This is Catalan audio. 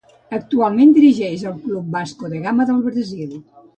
Actualment dirigix el club Vasco da Gama del Brasil.